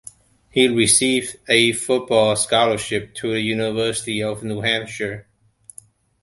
He received a football scholarship to the University of New Hampshire.